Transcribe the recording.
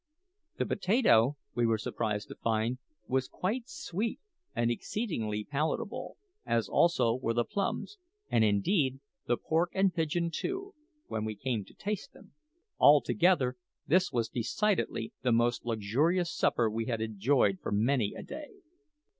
The potato, we were surprised to find, was quite sweet and exceedingly palatable, as also were the plums and, indeed, the pork and pigeon too when we came to taste them. Altogether, this was decidedly the most luxurious supper we had enjoyed for many a day.